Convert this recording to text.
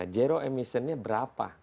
zero emisinya berapa